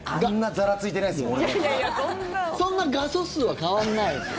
そんな画素数は変わんないです。